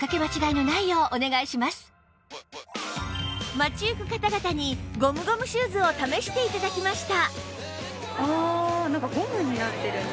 街行く方々にゴムゴムシューズを試して頂きました